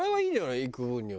行く分には。